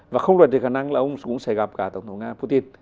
và không đoạn thể khả năng là ông cũng sẽ gặp cả tổng thống nga putin